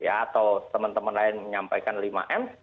atau teman teman lain menyampaikan lima m